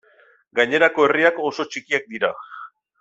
Gainerako herriak oso txikiak dira.